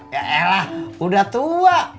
yaelah udah tua